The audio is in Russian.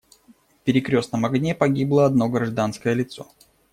В перекрёстном огне погибло одно гражданское лицо.